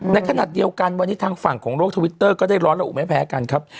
ในขณะเดียวกันวันนี้ทางฝั่งของโลกทวิตเตอร์ก็ได้ร้อนระอุไม่แพ้กันครับ